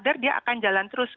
biar dia akan jalan terus